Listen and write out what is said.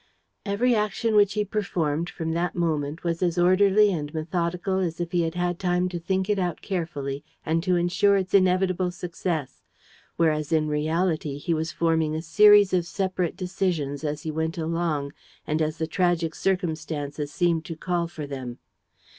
Every action which he performed from that moment was as orderly and methodical as if he had had time to think it out carefully and to ensure its inevitable success, whereas in reality he was forming a series of separate decisions as he went along and as the tragic circumstances seemed to call for them.